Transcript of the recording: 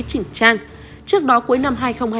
chỉnh trang trước đó cuối năm hai nghìn hai mươi ba